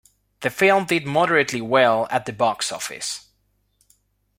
The film did moderately well at the box office.